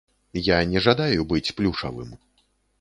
Я не жадаю быць плюшавым.